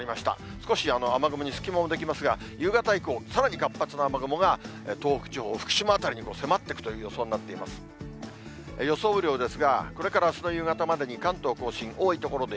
少し雨雲に隙間も出来ますが、夕方以降、さらに活発な雨雲が東北地方、福島辺りに迫っていくという予想になっています。